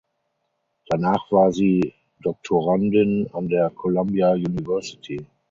Danach war sie Doktorandin an der Columbia University.